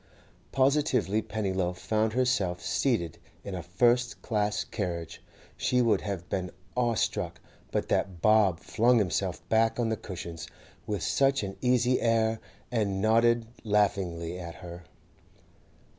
Positively, Pennyloaf found herself seated in a first class carriage; she would have been awe struck, but that Bob flung himself back on the cushions with such an easy air, and nodded laughingly at her.